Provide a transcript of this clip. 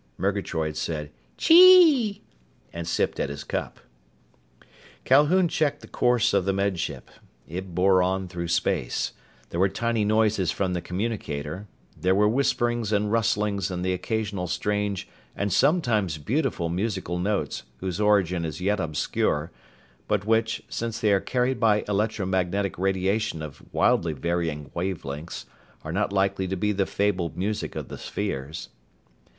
Murgatroyd said "Chee!" and sipped at his cup. Calhoun checked the course of the Med Ship. It bore on through space. There were tiny noises from the communicator. There were whisperings and rustlings and the occasional strange and sometimes beautiful musical notes whose origin is yet obscure, but which, since they are carried by electromagnetic radiation of wildly varying wave lengths, are not likely to be the fabled music of the spheres.